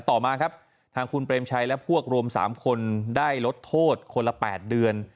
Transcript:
ต่อมาครับทางคุณเปรมชัยและพวกรวม๓คนได้ลดโทษคนละ๘เดือน